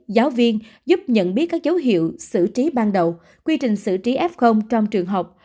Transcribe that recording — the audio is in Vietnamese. giáo viên giúp nhận biết các dấu hiệu xử trí ban đầu quy trình xử trí f trong trường học